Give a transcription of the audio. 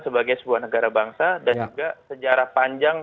sebagai sebuah negara bangsa dan juga sejarah panjang